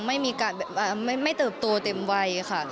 ไม่เติบโตเต็มวัยค่ะ